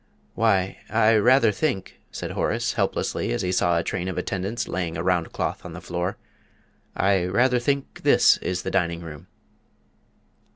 "Why, I rather think," said Horace, helplessly, as he saw a train of attendants laying a round cloth on the floor, "I rather think this is the dining room."